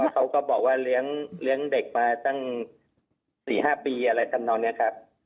เขาก็บอกว่าเลี้ยงเด็กมา๔๕ปีสำดองนี้ครับ